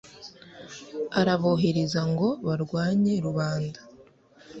arabohereza ngo barwanye rubanda